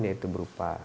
yang itu berupa